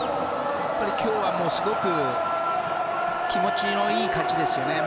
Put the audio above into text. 今日はすごく気持ちのいい感じですよね。